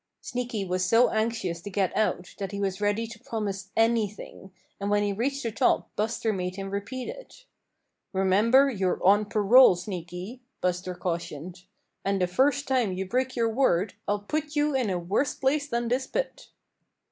Sneaky was so anxious to get out that he was ready to promise anything, and when he reached the top Buster made him repeat it. "Remember you're on parole, Sneaky," Buster cautioned, "and the first time you break your word I'll put you in a worse place than this pit."